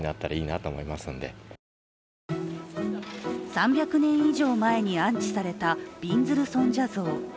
３００年以上前に安置されたびんずる尊者像。